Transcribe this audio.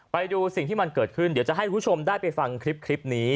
ไปดูสิ่งที่มันเกิดขึ้นเดี๋ยวจะให้คุณผู้ชมได้ไปฟังคลิปนี้